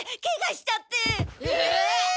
え？